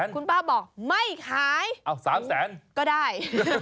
คุณป้าบอกไม่ขายเอ้า๓๐๐๐๐๐ก็ได้